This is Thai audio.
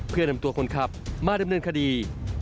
เพื่อนำตัวคนขับมาดำเนินคดี